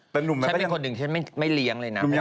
ฉันเป็นคนหนึ่งฉันไม่เลี้ยงเลยนะ